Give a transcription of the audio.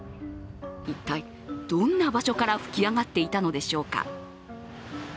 一体どんな場所から噴き上がっていたのでしょうか。